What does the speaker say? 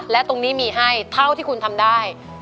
และตรงนี้มีให้เท่าที่คุณทำได้